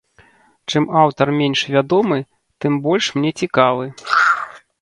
Чым аўтар менш вядомы, тым больш мне цікавы.